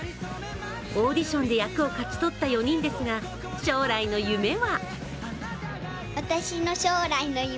オーディションで役を勝ち取った４人ですが、将来の夢は？